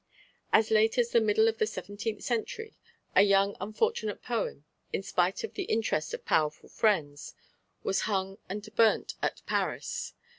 As late as the middle of the seventeenth century a young unfortunate poet, in spite of the interest of powerful friends, was hung and burnt at Paris.